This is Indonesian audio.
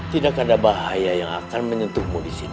tidak ada bahaya yang akan menyentuhmu di sini